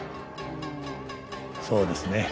そうですね。